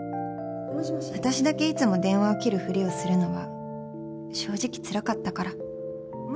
私だけいつも電話を切るふりをするのは正直つらかったから